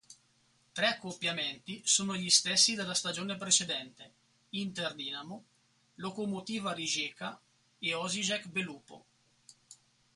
Tre accoppiamenti sono gli stessi della stagione precedente: Inter-Dinamo, Lokomotiva-Rijeka e Osijek-Belupo.